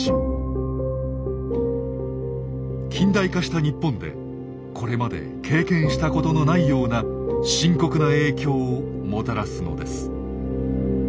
近代化した日本でこれまで経験したことのないような深刻な影響をもたらすのです。